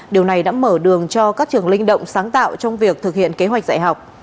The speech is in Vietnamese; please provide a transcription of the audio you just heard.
điều này đã mở đường cho các trường linh động sáng tạo trong việc thực hiện kế hoạch dạy học